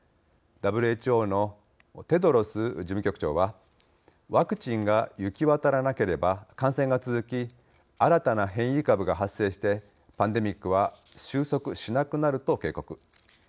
ＷＨＯのテドロス事務局長は「ワクチンが行き渡らなければ感染が続き新たな変異株が発生してパンデミックは収束しなくなる」と警告。